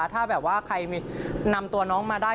ถ้าแบบว่าใครนำตัวน้องมาได้